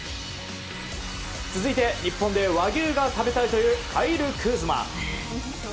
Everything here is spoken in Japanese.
続いて、日本で和牛が食べたいというカイル・クーズマ。